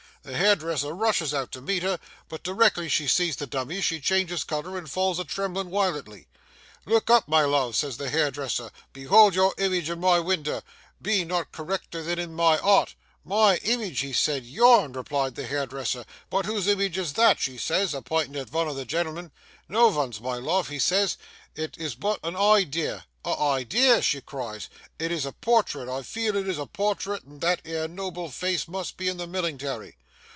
The hairdresser rushes out to meet her, but d'rectly she sees the dummies she changes colour and falls a tremblin' wiolently. "Look up, my love," says the hairdresser, "behold your imige in my winder, but not correcter than in my art!" "My imige!" she says. "Yourn!" replies the hairdresser. "But whose imige is that?" she says, a pinting at vun o' the gen'lmen. "No vun's, my love," he says, "it is but a idea." "A idea!" she cries: "it is a portrait, I feel it is a portrait, and that 'ere noble face must be in the millingtary!"